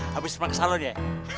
habis pernah ke salon ya